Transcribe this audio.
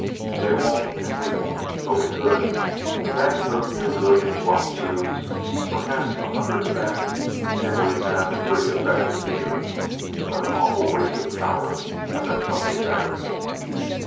"They won't and we won't though we could. A bank of those new million watt tubes perhaps a hundred of them and we'd have a pretty effective heater but an awful waste of power. I've got something better."